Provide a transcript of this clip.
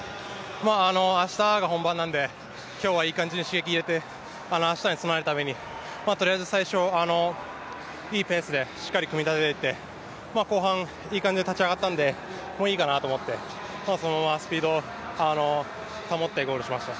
明日が本番なんで、今日はいい感じに刺激を入れて、明日に備えるためにとりあえず最初、いいペースでしっかり組み立てて後半いい形で立ち上がったんで、もういいかなと思ってそのままスピード保ってゴールしました。